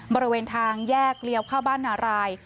บริเวณทางแยกเลี้ยวเข้าบ้านนาราย